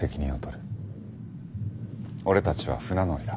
俺たちは船乗りだ。